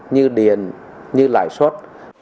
như điện như lại suất